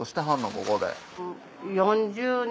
ここで。